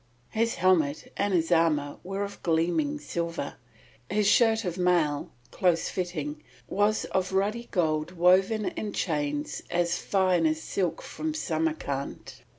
His helmet and his armour were of gleaming silver, his shirt of mail, close fitting, was of ruddy gold woven in chains as fine as silk from Samarcand.